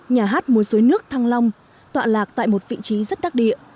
nhà hát mua suối nước thăng long tọa lạc tại một vị trí rất đắc địa